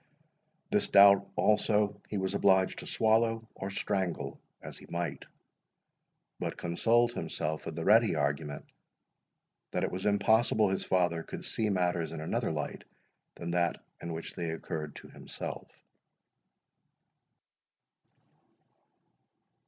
This doubt also he was obliged to swallow or strangle, as he might; but consoled himself with the ready argument, that it was impossible his father could see matters in another light than that in which they occurred to himself.